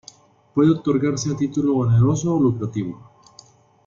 Puede otorgarse a título oneroso o lucrativo.